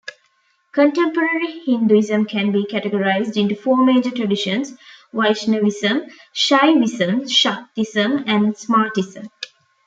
Contemporary Hinduism can be categorized into four major traditions: Vaishnavism, Shaivism, Shaktism, and Smartism.